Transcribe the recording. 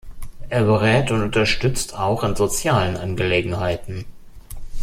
Er berät und unterstützt auch in sozialen Angelegenheiten.